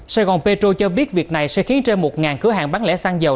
sài gòn petro cho biết việc này sẽ khiến trên một cửa hàng bán lẻ xăng dầu